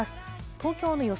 東京の予想